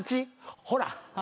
ほら。